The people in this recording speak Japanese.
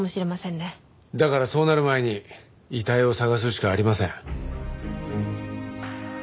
だからそうなる前に遺体を捜すしかありません。